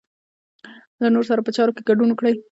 له نورو سره په چارو کې ګډون وکړئ.